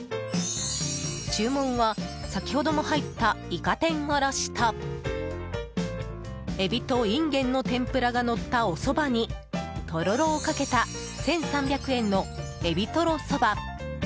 注文は先ほども入ったいか天おろしとエビとインゲンの天ぷらがのったおそばにとろろをかけた１３００円の、エビとろそば。